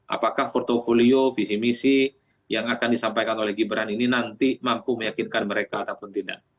apakah portfolio visi misi yang akan disampaikan oleh gibran ini nanti mampu meyakinkan mereka ataupun tidak